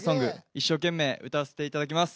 一生懸命歌わせていただきます。